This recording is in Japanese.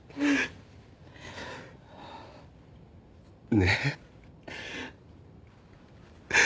ねえ。